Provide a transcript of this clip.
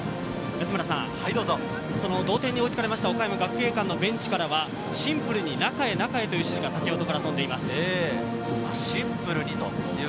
同点に追いつかれた岡山学芸館のベンチからはシンプルに中へ中へという指示がとんでいます。